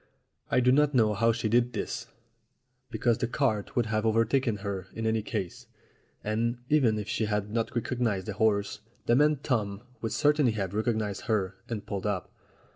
I do not know how she did this, because the cart would have overtaken her in any case, and, even if she had not recognized the horse, the man Tom would certainly have recognized her, and pulled up.